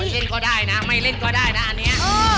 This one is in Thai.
เล่นก็ได้นะไม่เล่นก็ได้นะอันนี้